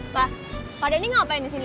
pak pak denny nggak ngapain di sini